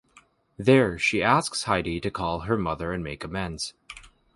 There, she asks Heidi to call her mother and make amends.